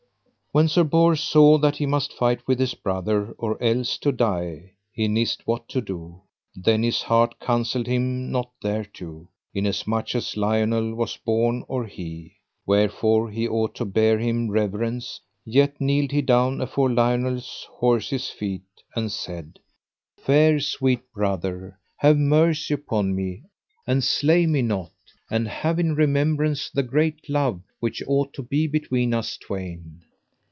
When Sir Bors saw that he must fight with his brother or else to die, he nist what to do; then his heart counselled him not thereto, inasmuch as Lionel was born or he, wherefore he ought to bear him reverence; yet kneeled he down afore Lionel's horse's feet, and said: Fair sweet brother, have mercy upon me and slay me not, and have in remembrance the great love which ought to be between us twain.